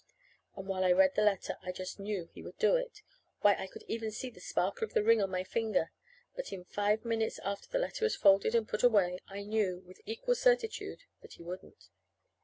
And while I read the letter, I just knew he would do it. Why, I could even see the sparkle of the ring on my finger. But in five minutes after the letter was folded and put away, I knew, with equal certitude that he wouldn't.